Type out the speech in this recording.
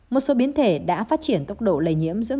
một số biến thể đã phát triển tốc độ lây nhiễm giữa